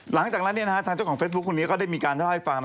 หลังจากนั้นทางเจ้าของเฟซบุ๊คคนนี้ก็ได้มีการเล่าให้ฟัง